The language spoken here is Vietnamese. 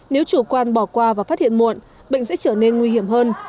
nếu chủ quan bỏ qua và phát hiện muộn bệnh sẽ trở nên nguy hiểm hơn